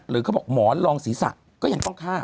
เขาบอกหมอนรองศีรษะก็ยังต้องฆ่า